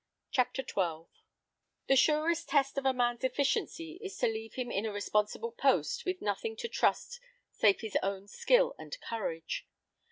CHAPTER XII The surest test of a man's efficiency is to leave him in a responsible post with nothing to trust to save his own skill and courage.